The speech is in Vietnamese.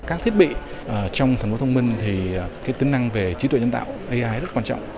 các thiết bị trong thành phố thông minh thì tính năng về trí tuệ nhân tạo ai rất quan trọng